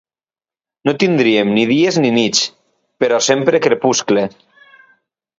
No tindríem ni dies ni nits, però sempre crepuscle.